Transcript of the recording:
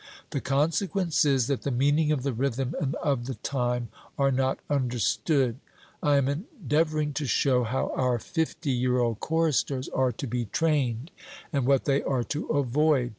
The consequence is, that the meaning of the rhythm and of the time are not understood. I am endeavouring to show how our fifty year old choristers are to be trained, and what they are to avoid.